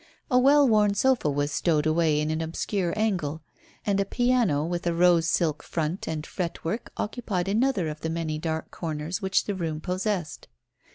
A well worn sofa was stowed away in an obscure angle, and a piano with a rose silk front and fretwork occupied another of the many dark corners which the room possessed.